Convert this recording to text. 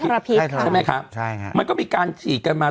ใช่ไหมคะมันก็มีการฉีดกันมา